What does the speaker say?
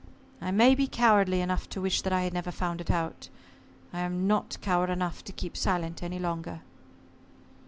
I may be cowardly enough to wish that I had never found it out, I am not coward enough to keep silent any longer."